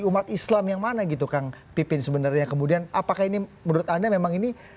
umat islam yang mana gitu kang pipin sebenarnya kemudian apakah ini menurut anda memang ini